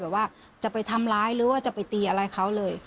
แบบว่าจะไปทำร้ายหรือไปตีอะไรเขาเลย